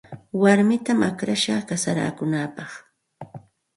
Warmitam akllashaq kasarakunaapaq.